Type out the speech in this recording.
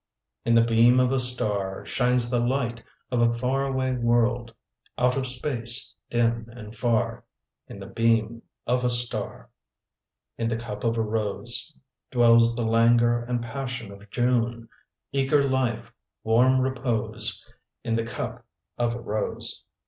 In the beam of a star Shines the light of a far away world, Out of space, dim and far, In the beam of a star. In the cup of a rose Dwells the languor and passion of June, Eager life, warm repose, In the cup of a rose.